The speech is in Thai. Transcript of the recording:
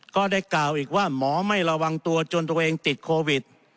ก็ได้กล่าวอีกว่าหมอไม่ระวังตัวจนตัวเองติดโควิด